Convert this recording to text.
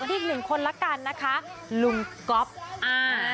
ที่อีกหนึ่งคนละกันนะคะลุงก๊อฟอ่า